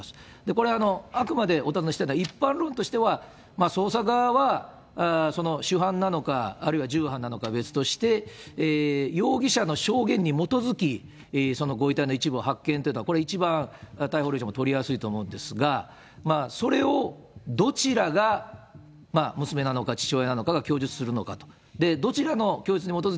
これ、あくまでお尋ねしたいのは、一般論としては、捜査側はその主犯なのか、あるいは従犯なのかは別として、容疑者の証言に基づき、そのご遺体の一部を発見って、これ、一番逮捕令状も取りやすいと思うんですが、それをどちらが娘なのか、父親なのかが供述するのかと。